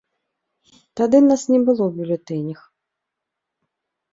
Тады нас не было ў бюлетэнях.